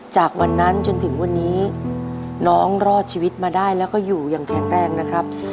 จากวันนั้นจนถึงวันนี้น้องรอดชีวิตมาได้แล้วก็อยู่อย่างแข็งแรงนะครับ